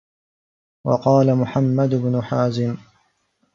وَقَالَ مُحَمَّدُ بْنُ حَازِمٍ